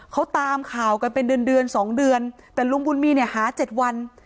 เขาตามข่าวกันเป็นเดือนเดือนสองเดือนแต่ลุงบุญมีเนี่ยหา๗วัน